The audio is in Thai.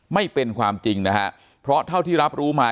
ไม่เป็นความจริงนะฮะเพราะเท่าที่รับรู้มา